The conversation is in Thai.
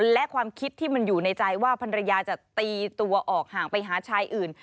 และความคิดที่มันอยู่ในใจว่าภรรยาจะตีตัวออกห่างไปหาชายอื่น